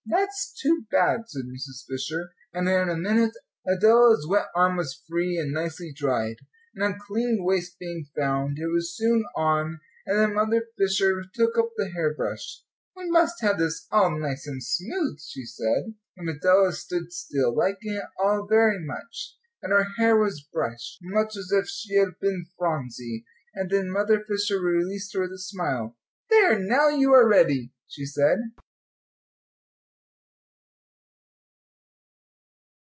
"That's too bad," said Mrs. Fisher; and in a minute Adela's wet arm was free and nicely dried, and a clean waist being found, it was soon on, and then Mother Fisher took up the hairbrush. "We must have this all nice and smooth," she said. And Adela stood still, liking it all very much; and her hair was brushed, much as if she had been Phronsie, and then Mother Fisher released her with a smile. "There, now you are ready," she said.